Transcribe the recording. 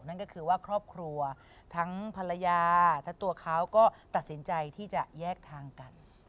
นั่นก็คือว่าครอบครัวทั้งภรรยาทั้งตัวเขาก็ตัดสินใจที่จะแยกทางกัน